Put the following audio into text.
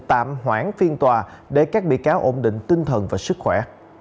tạm hoãn phiên tòa để các bị cáo ổn định tinh thần và sức khỏe